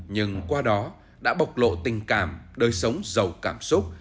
nhưng qua đó đã bộc lộ tình cảm đời sống giàu cảm xúc